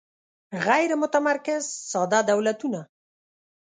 غیر متمرکز ساده دولتونه